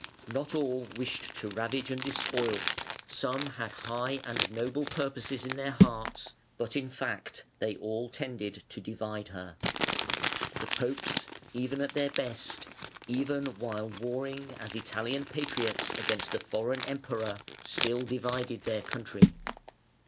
Not all wished to ravage and despoil; some had high and noble purposes in their hearts, but, in fact, they all tended to divide her. The Popes even at their best, even while warring as Italian patriots against the foreign Emperor, still divided their country.